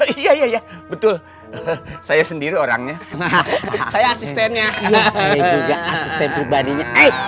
iya iya betul saya sendiri orangnya saya asistennya